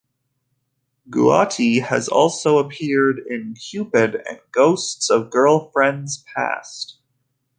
Guaty has also appeared in "Cupid" and "Ghosts of Girlfriends Past".